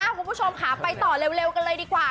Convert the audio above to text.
คุณผู้ชมค่ะไปต่อเร็วกันเลยดีกว่า